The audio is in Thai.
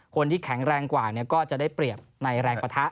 คนที่แข็งแรงกว่าก็จะได้เปรียบในแรงปะทะ